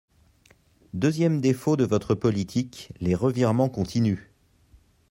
Deuxième défaut de votre politique, les revirements continus.